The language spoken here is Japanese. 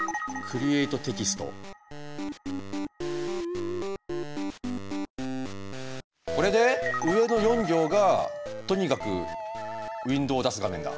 えこれで上の４行がとにかくウィンドウを出す画面だ。